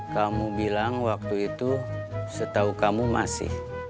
kamu bilang waktu itu setahu kamu masih